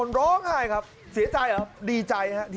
นางสาวพิธวยารัทจันทรมาน